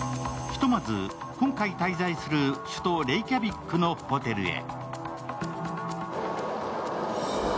ひとまず今回滞在する首都・レイキャビックのホテルへ。